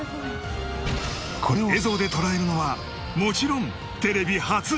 これを映像で捉えるのはもちろんテレビ初！